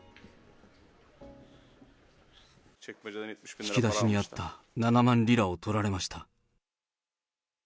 引き出しにあった７万リラを取られました。